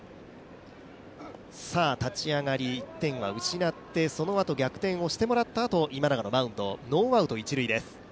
立ち上がり、１点失って、そのあと、逆転をしてもらったあと、今永のマウンド、ノーアウト一塁です。